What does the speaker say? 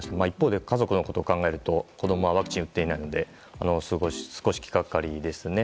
一方で、家族のことを考えると子供はワクチン打っていないので少し気がかりです。